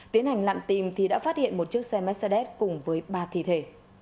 tiến hành lặn tìm thì đã phát hiện một chiếc xe mercedes cùng với ba thi thể